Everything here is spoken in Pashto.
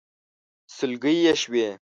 سلګۍ يې شوې.